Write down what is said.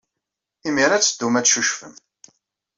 Imir-a ad teddum ad teccucfem.